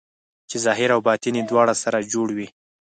چې ظاهر او باطن یې دواړه سره جوړ وي.